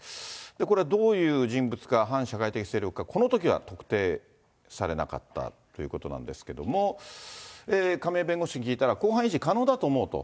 これどういう人物か、反社会的勢力の人物かどうかは、このときは特定されなかったということなんですけれども、亀井弁護士に聞いたら、公判維持可能だと思うと。